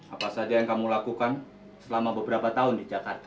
apa saja yang kamu lakukan selama beberapa tahun di jakarta